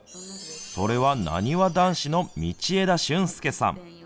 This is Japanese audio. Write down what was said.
それはなにわ男子の道枝駿佑さん。